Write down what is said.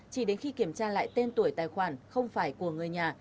chỉ đến khi kiểm tra lại tên tuổi tài khoản không phải của người nhà